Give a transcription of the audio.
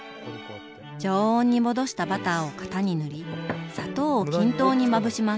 常温に戻したバターを型に塗り砂糖を均等にまぶします。